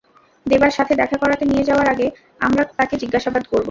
দেবার সাথে দেখা করাতে নিয়ে যাওয়ার আগে আমরা তাকে জিজ্ঞাসাবাদ করব।